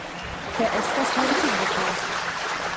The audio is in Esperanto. Ke estas mortigita.